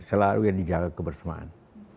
selalu yang dijaga kebersemahan